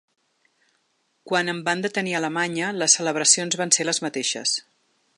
Quan em van detenir a Alemanya, les celebracions van ser les mateixes.